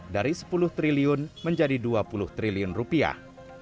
dari sepuluh triliun menjadi dua puluh triliun rupiah